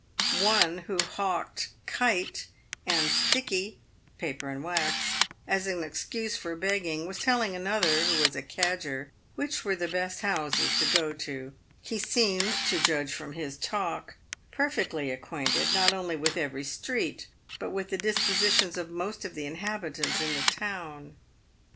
One, who hawked ' kite' and 4 sticky' (paper and wax) as an excuse for begging, was telling another, who was a cadger, which were the best houses to go to. He seemed, to judge from his talk, perfectly acquainted, not only with every street, but with the dispositions of most of the inhabitants in the town.